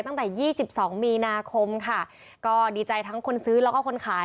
ตั้งแต่ยี่สิบสองมีนาคมค่ะก็ดีใจทั้งคนซื้อแล้วก็คนขาย